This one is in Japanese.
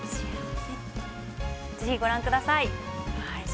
ぜひ、ご覧ください！